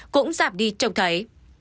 cũng giảm đi trông thấy